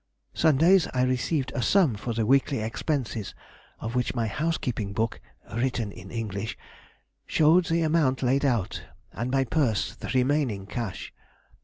Sundays I received a sum for the weekly expenses, of which my housekeeping book (written in English) showed the amount laid out, and my purse the remaining cash.